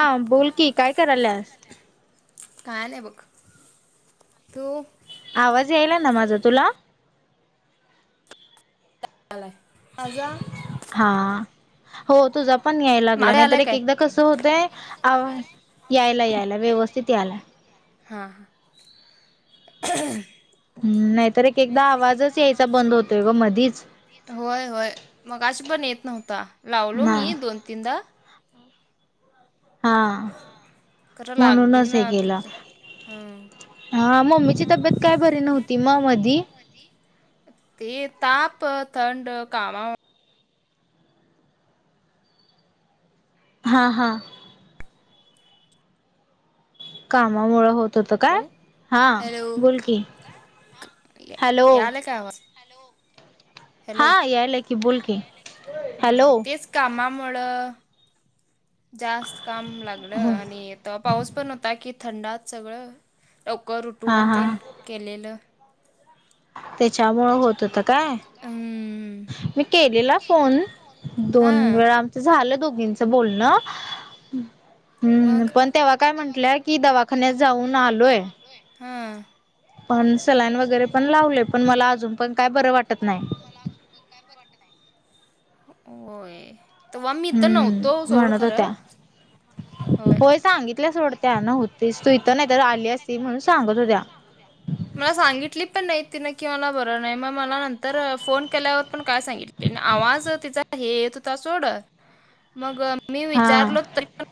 हा बोलकी काय करायलास? काय नाही आहे बघ तो, आवाज यायला ना माझा तुला आलाय माझा हा हो तु पण यायला लागला माझा नाहीत आलाय एक काय एकदा कसं होतंय यायला यायला व्यवस्थित यायला. हा हा [unintelligible] हम् नाहीतर एक एकदा आवाजच यायचा बंद होतोय ग मधीच होय होय मगाशी पण येत नव्हता लावलो ना मी दोन तीनदा हा खरं म्हणूनच हे लागेना केलं. तुझं हं. हा मम्मीची तब्येत काय बरी नव्हती म मधी मधी ते ताप थंड कामामु हां हां कामामुळेळं होत होत काय हॅलो हा हॅलो बोलकी, हॅलो या- [unintelligible] हॅलो, हा याल की बोल की हॅलो, कामामुळ जास्त काम लागलं आणि पाऊस पण होता की थंडात सगळं लवकर हा उठून हा तेन केलेलं त्येच्यामुळ होत होत काय हम्म मी केलेला फोन दोन हां वेळा आमचं झालं दोघींचं बोलणं हम्म मग पण तेव्हा काय म्हटल्या की दवाखान्यात जाऊन आलोय हां पण सलाईन वगैरे पण लावले पण मला अजून पण काय बरं वाटत नाही लाली पण मला अजून पण काय बर वाटत नाही होय तवा मी इथ नव्हतो हम्म सोड म्हणत होत्या खरं होय सांगितल्या सोड त्या नव्हतीस तू इथं नाही तर आली असती म्हणून सांगत होत्या मला सांगितली पण नाही तिनं कि मला बरं नाही मग मला नंतर फोन ल्या पण काय सांगितली आ तिचा हे त सोड मग मी हा विचारलो तरी पण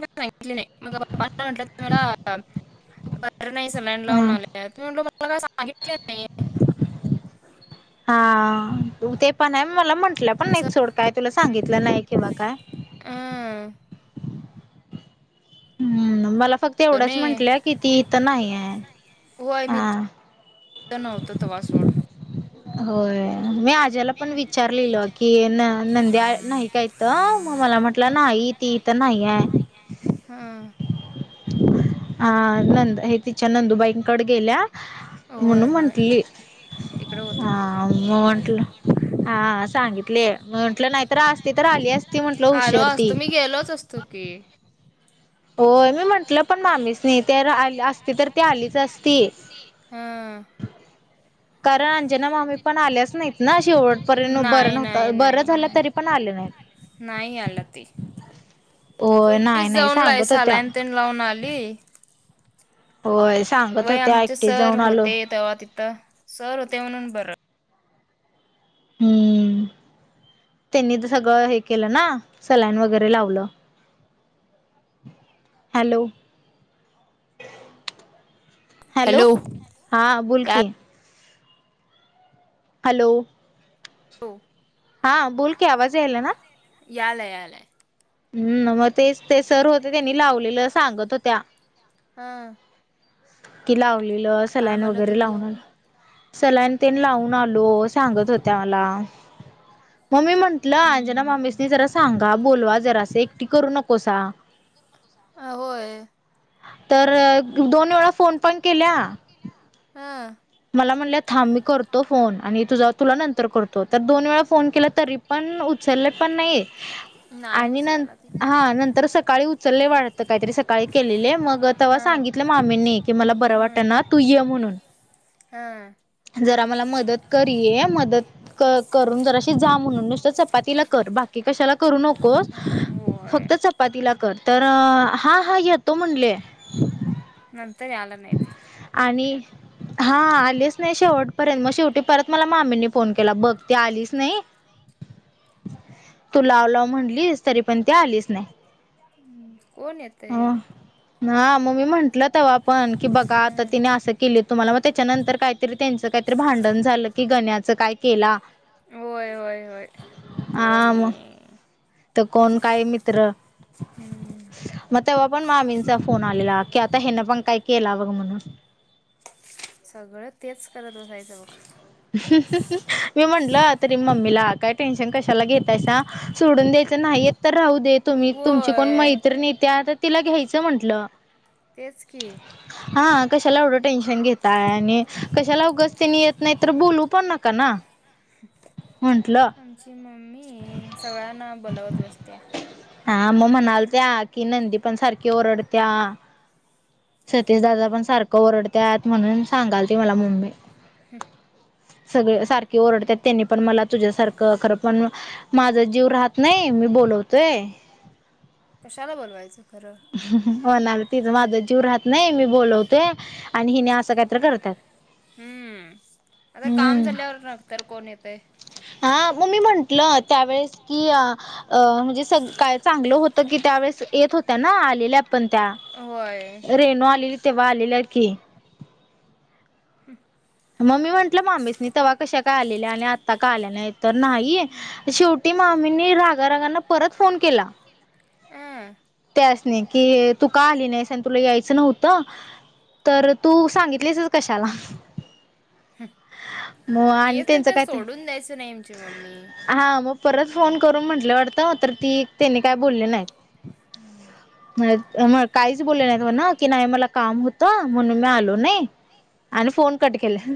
सांगितली नाही म म्हटलं त मला बरं नाही सलाईन हा लावून आले त म्हटलो मला काय सांगितलं नाही हा ते पण आहे मला म्हंटलं पण असं नाही सोड काय तुला सांगितलं नाही किंवा काय ह हम्म मला फक्त एवढंच नाही म्हंटलं कि ती इथं नाही आहे हा नव्हतं तवा सोड होय मी आज ज्याला पण विचारलेलं की न नंद्या नाही का येत मग मला म्हटलं नाही ती ईथ नाही आहे. हा ह हा नंद हे तिच्या नंदूबाईंकडे गेल्या म्हणून होय होय म्हंटली तिकडे होतो मी हा म्हंटलं. हा सांगितले म्हंटलं नाहीत असते तर आली असती म्हंटलं आलो हुशारती असतो मी गेलोच असतो की हो मी म्हटलं आपलं पण मामीच नाही तर असते तर त आलीच असते. कारण अंजना मामी पण नाहीत आल्याच ना नाही शेवटपर्यंत बरं ना नाही नव्हतं बरं नाही झालं नाही झा आले तरी पण आ नाहीत नाही आला होय तेटी नाही नाही जाऊन सांगत होत्या लायलान लावून आ [inaudible] प्ले होय सांगत वय होत्या आमचे एकटी सर जाऊन आलो होते तेव्हा तिथं सर होते म्हणून बरं. हम्म ह त्यांनी सगळं हे केलं ना सलान वगैरे लावलं. हॅलो हॅलो हा बोल या की. हॅलो. हो ह हा की बोल आवाज याल यायला ना आहे याल आहे. हम् मग तेच ते सर होते त्यांनी लावलेलं सांगत होत्या हां कि लावलेलं सलान म्हणत वगैरे होती लावून आल आणि सलान ते लावून आलो. सांगत होत्या चलान ते मला लावून आलो सांगत मग होते मी मला म्हंटलं अंजना मामीसनी जरा मम्मी म्हंटलं सांगा अज ना बोलवा जरासं एकटी करू मम्मी नकोसा जरा होय तर दोन वेळा फोन पण केल्या. हा मला म्हणलं थां मी करतो फोन आणि तुझा तुला नंतर करतो तर दोन वेळा फोन केला तरी पण उचलले पण नाही नाही आणि न उचलायला ते हा नंतर सकाळी. चचाले वाटतं काहीतरी सकाळी केलेले आहे मग तेव्हा हा सांगितलं मामींनी की मला बरं वाटतं ना तू ये म्हणून हा जरा मला मदत करय मदत. करून जराशी जा म्हणून नुसतं चपातीला कर बाकी कशाला करू नकोस. हम्म, होय फक्त चपातीला कर तर हा हा य तो म्हणलेय नंतर याला नाहीती. आणि हा आलेच नाही शेवटपर्यंत मग शेवटी परत मला मामीनी फोन केला बघ त आलीच नाही [unintelligible] [inaudible] तू लाव लाव म्हणलीस तरी पण ती आलीच नाही हम्म कोण येत ह ह मग मी म्हंटलं तेव आपण की बघा आता हम्म. तिने असं केलं तुम्हाला मग त्याच्यानंतर काय तरी त्यांचं काहीतरी भांडण झालं कि गण्याच काय केलं तोनी तर कोण काय मित्र हम्म मग तेव्हा पण मामींचा फोन आलेला की आता हेनं पण काय केला बघ म्हणून सगळं तेच करत बसायचं बघ मी म्हटलं तरी मम्मीला काय टेन्शन कशाला घेतायसा सोडून द्यायचं नाहीय तर राहू दे तुम्ही तुमची कोण होय. मैत्रणेतेता तिला घ्यायचं म्हंटलं तेचकी हा कशाला एवढं टेन्शन घेताय आणि कशाला उग तनी येत नाही तर बोलू पण नका ना म्हंटलं ची मम्मी सगळ्यांना बोलवत असत्या हा मग म्हणाल त्या की नंदी पण सारखी ओरडत्या सतीश दादा पण सारखं ओरडत म्हणून सांगाल ते मला मम्मी सगळे सारखे ओरडतात त्यांनी पण मला तुझ्यासारखं खरं पण माझा जीव राह नाही मी बोलवतोय. कशाला बोलवायचं? खरं हो ना तिज माझा जीव राहत नाही मी बोलवतोय आणि हिने असं काहीतरी करतात. हम्म आता काम हम्म झाल्यावर नंतर कोण येतंय हा हा मग मी म्हंटलं त्यावेळेस की अ अ म्हणजे स काय चांगलं होतं की त्यावेेळेस येत हो येत होत्या ना आलेल्या पण होय रेणू आली तेव्हा आलेली तेव्हा आलेले ते. हम्! म मी म्हटलं मामीसनी तेव्हा कशा काय आलेल्या आणि आता का आल्या नाही, तर नाही शेवटी शेवटी मामीनी रागारागांना परत फोन केला. त्यासनि कि तू का आली नाहीस आणि तुला यायचं नव्हतं? तर तू सांगितलीसच कशाला? मग आणि येत नाय त्यांचं तर कायतरी सोडून द्यायचं नाही ओम ची मम्मी. हा मग परत फोन करून म्हंटलं वाटतं तर ती त्याने काय बोलली नाही. हम्म मग काहीच बोलले नाहीत म्हण की नाही मला काम होतं म्हणून मी आलो नाही. आणि फोन कट केला.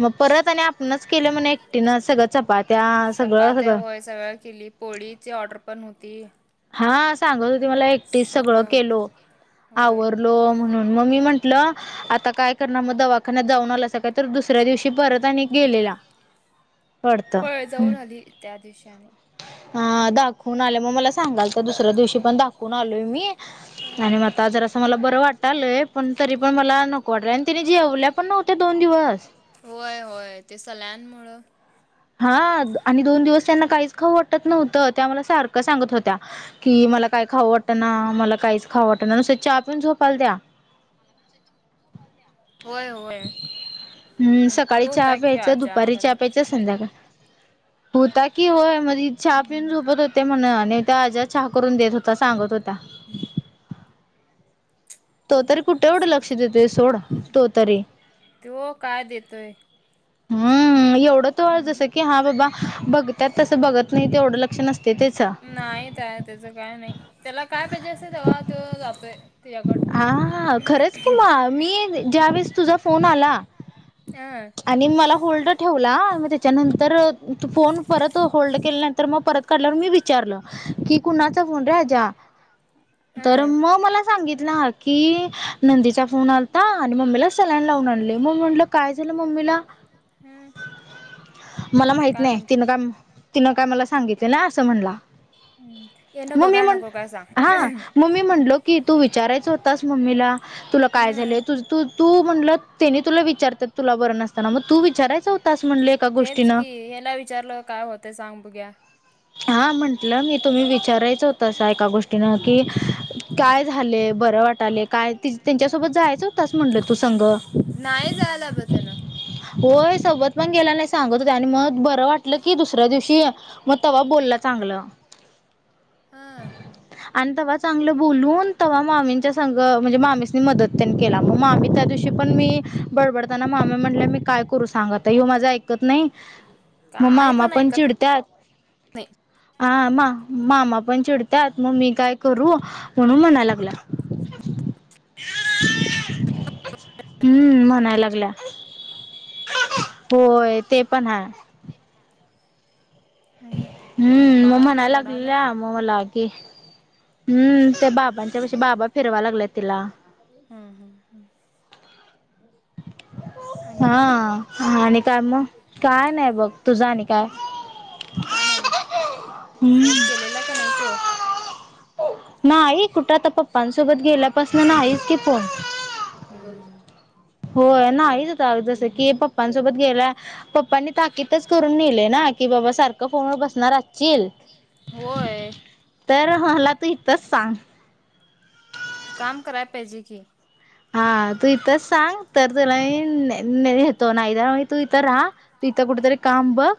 मग परत आणि आपणच केलं म्हण एकटीनं सगळं चपाात्या सगळं चपात्या सगळं होय सगळं केली पोळीची ऑर्डर पण होती. हा सांगत होती मला एकटीस सगळं केलो होय आवरलो म्हणून मग मी म्हट ल आता काय करणार मग दवाखान्यात जाऊन आलासा काय तर दुसऱ्या दिवशी परत आणि गेलेल्या. वाटत होय जाऊन आली त्या दिवशी आणि हा दाखवून आले मग मला सांगत काल दुसऱ्या दिवशी पण दाखवून आलोय मी. आणि म हं. आता जरसं मला बरं वाटलय पण तरी पण मला नको वाटलं आणि त्याने जेवल्या पण नव्हत्या दोन दिवस होय होय ते सलाईनमुळ. हा आणि दोन दिवस त्यांना काहीच खाऊ वाटत नव्हतं त्या मला सारखं सांगत होत्या. की मला काय खावं वाटणा मला काहीच खावं वाटणा नुसत होय होय! हम्म सकाळी ह्यो चहा होता की प्यायचं आजा दुपारी चहा घरात. प्यायचं संध्याकाळ होता की होय मध्ये चहा पिऊन हम्म झोपत होते म्हण आणि त्या आज्या चहा करून देत होता सांगत होत्या. हम्म! तो तर आस तरी त्यो काय देतोय? [inaudible] हम्म एवढं तो जसं की हा बाबा बघत्यात तसं बघत नाही ते एवढं लक्ष नसते त्याच. नाही त्यात त्याचं काय नाही त्याला काय पाहिजे असतोय तेव्हा तो जातोय. तिच्याकड आ हा खरंच कि म मी ज्या वेळेस तुझा फोन आला हं आणि मला होल्ड ठेवला म त्याच्यानंतर फोन परत होल्ड केल्यानंतर मग परत काढल्यावर मी विचारलं की कुणाचा फोन र आज्या? [inaudible] तर हं मग मला सांगितलं की नंदीचा फोन आलता आणि मम्मीला सलायन हम! मला माहित नाही तिन काय तिन काय मला सांगितलं नाय असं म्हणाला येन म मी बघाय नको म्हणलं काय सांग हा मी म्हणलं की तू विचारायच होतास मम्मीला तुला काय हं झालंय तुझ तू तू म्हणलं तेनी तुला विचारतात तुला बरं नसताना मग तू विचारायचं होतास म्हणले तेच की याला विचारलं काय होतय सांग बघूया. हा म्हंटलं मी तुम्ही विचारायचं होत अस एका गोष्टीनं की काय झाले बरं वाटाले काय त्यांच्यासोबत जायचं होतच म्हणलं तू संघ. नाही जायला ब त्या ना. होय सोबत पण गेला नाही सांगत होते आणि मग बरं वाटलं की दुसऱ्या दिवशी ्या मग तवा बोलला चांगलं दिवग हा. आणि तेव्हा चांगलं बोलून तेव्हा मामींच्या सं म्हणजे मामीसनी मदत. त्यानं केला मग मामी त्या दिवशी पण मी बडबडताना मामी म्हटल्या मी काय करू सांगत ह्यो माझं कत नाही मग मामा पण चिडत्यात. नाय. आ म मामा पण चिडतात मग मी काय करू? म्हणून म्हणाय लागला. हम्म म्हनाय लागल्या. होय ते पण हाय. नाही आणि हम्म बाळ म्म ना काय लागलेल्या रडालय ममलागे हम्म ते बाबांच्या पशी बाबा फिरवा लागल्यात तिला हम्म हम्म हम्म. आणि काय हा आणि काय मग काय नाही बघ तुझं आणि काय का नाही बघ हम्म फोन केलेला का नाही तो. नाही कुठं आता पप्पांसोबत गेल्यापासून नाहीच कि फोन. हं होय नाहीच होता जस की पप्पांसोबत गेलाय पप्पांनी ताकीदच करून नेले ना. कि बाबा सारखं फोनवर बसणार आसशील होय तर मला तू इथंच सांग. काम कराय पाहिजे की. हा तू इथंच सांग तर तुला येतो नाही तर मग तू इथं राहा. तू इथं कुठेतरी काम बघ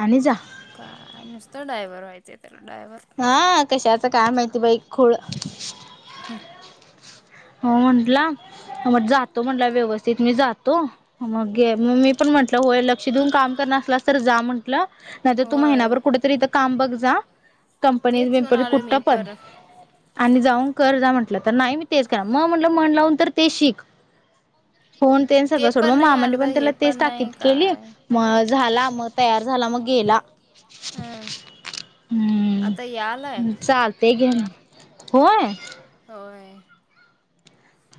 आणि जा. काय नुसतं डायव्हवर व्हायचं त्याला डायव्हर. हा कशाचं काय माहिती बाई खुळ हो म्हणटला. मग जातो म्हट व्यवस्थित मी जातो मग मग मी पण म्हटलं होय ल श देऊन काम करणार असला तर जा म्हटलं नाहीतर तू होय महिनाभर कुठेतरी इथ काम बघ जा. कंपनी तेच बीपणी म्हणालोय कुठ्ट मी पण. पर आणि जाऊन कर जा म्हटलं तर नाही मी तेच करा मग म्हटलं मण लावून तर ते शिक फोन ते सगळं सोड पण मग नाही मामानी अर्ध पण हे त्याला तेच ताकीद नाही केली. काय मग झाला मग तयार झाला मग गेला. हा. हम्म चालतेय घे ना होय. होय.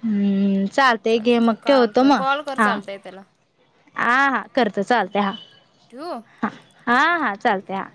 हम्म चालतय घे मग चालतंय काल ठेवतो कर मग कॉल कर हा. चालतंय त्याला हा हा करतो चालते हा ठेवू हा हा चालतय हा.